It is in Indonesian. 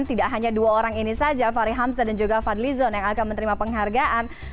tidak hanya dua orang ini saja fahri hamzah dan juga fadli zon yang akan menerima penghargaan